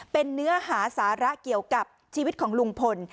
เป็นเนื้อหาสาระเกี่ยวกับชีวิตของลุงพล